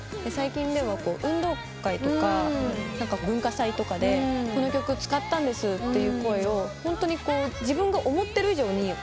最近運動会とか文化祭とかでこの曲使ったんですって声をホントに自分が思ってる以上に。